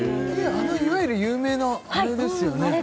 あのいわゆる有名なあれですよね